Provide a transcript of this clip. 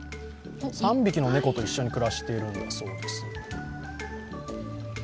３匹の猫と一緒に暮らしているんだそうです。